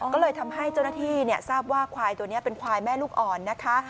ก็เลยทำให้เจ้าหน้าที่ทราบว่าควายตัวนี้เป็นควายแม่ลูกอ่อนนะคะ